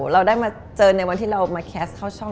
เราได้มาเจอในวันที่เรามาแคสต์เข้าช่อง